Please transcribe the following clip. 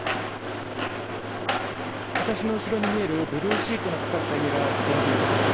私の後ろに見えるブルーシートがかかった家が事件現場です。